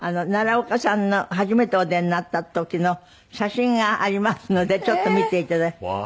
奈良岡さんの初めてお出になった時の写真がありますのでちょっと見ていただいて。